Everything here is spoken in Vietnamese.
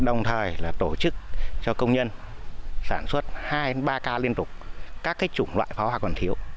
chúng tôi là tổ chức cho công nhân sản xuất hai ba ca liên tục các cái chủng loại pháo hoa còn thiếu